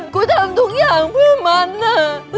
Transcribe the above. ทำทุกอย่างเพื่อมันนะ